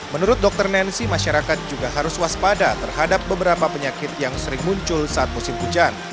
menurut dokter nancy masyarakat juga harus waspada terhadap beberapa penyakit yang sering muncul saat musim hujan